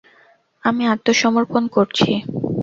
আমি আত্মসমর্পণ করছি।